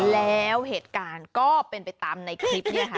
แล้วเหตุการณ์ก็เป็นไปตามในคลิปเนี่ยค่ะ